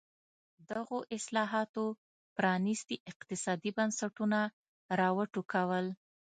دغو اصلاحاتو پرانېستي اقتصادي بنسټونه را وټوکول.